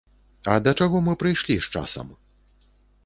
А да чаго мы прыйшлі з часам?